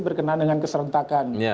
berkenaan dengan keserentakan